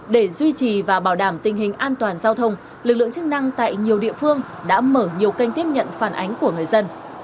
để duy trì và bảo đảm tình hình an toàn giao thông lực lượng chức năng tại nhiều địa phương đã mở nhiều kênh tiếp nhận phản ánh của người dân